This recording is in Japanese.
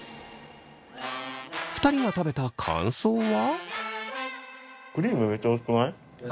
２人が食べた感想は？